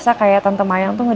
aku tuh aku sebenarnya